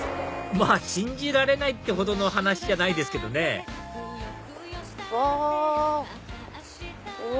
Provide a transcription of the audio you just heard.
まぁ信じられないってほどの話じゃないですけどねうわ！